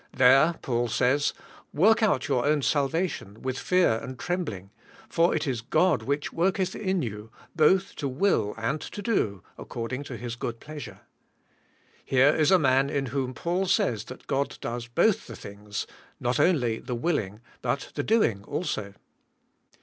There Paul says, *'Work out your own salvation with fear and trem bling", for it is God which worketh in you, both to will and to do according to His good pleasure*" Here is a man in whom Paul says that God does both the things, not only the willing but the doing, also.